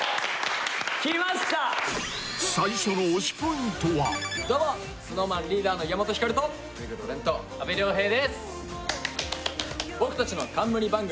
きました最初の推しポイントはどうもＳｎｏｗＭａｎリーダーの岩本照と目黒蓮と阿部亮平です